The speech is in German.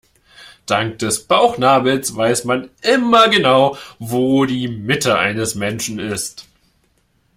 Dank des Bauchnabels weiß man immer genau, wo die Mitte eines Menschen ist.